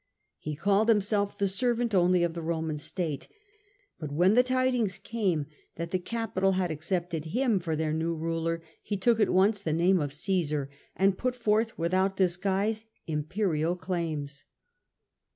He called himself the servant only of the Roman State. But when the tidings came that the capital had accepted him for ceptedby ,. Ill 1 r the popu their new ruler he took at once the name of uce instead Caesar, and put forth without disguise im perial claims.